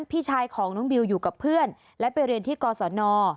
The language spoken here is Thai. พี่ชายของน้องบิวอยู่กับเพื่อนและไปเรียนที่กศน